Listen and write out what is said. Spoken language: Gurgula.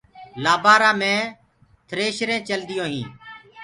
لآبآرآ مي ٿريشرينٚ چلديونٚ هينٚ۔